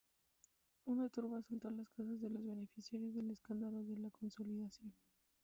Una turba asaltó las casas de los beneficiarios del escándalo de la consolidación.